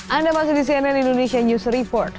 anda masih di cnn indonesia news report